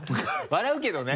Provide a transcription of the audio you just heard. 笑うけどね。